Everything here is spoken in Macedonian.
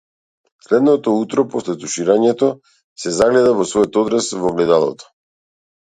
Следното утро, после туширањето, се загледа во својот одраз во огледалото.